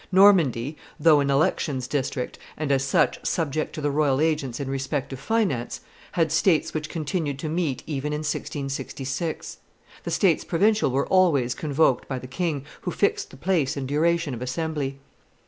Normandy, though an elections district, and, as such, subject to the royal agents in respect of finance, had states which continued to meet even in 1666. The states provincial were always convoked by the king, who fixed the place and duration of assembly.